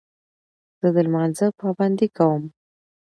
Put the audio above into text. زه د لمانځه پابندي کوم.